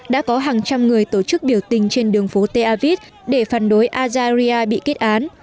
đã có hàng trăm người tổ chức biểu tình trên đường phố texavit để phản đối azaria bị kết án